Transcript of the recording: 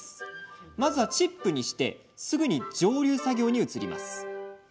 まずはチップにしてすぐに蒸留作業に移ります。